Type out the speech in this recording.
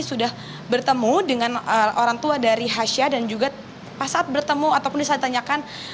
sudah bertemu dengan orang tua dari hasyah dan juga pas saat bertemu ataupun disatukan